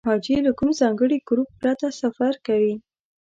حاجي له کوم ځانګړي ګروپ پرته سفر کوي.